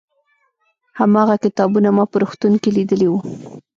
هماغه کتابونه ما په روغتون کې لیدلي وو.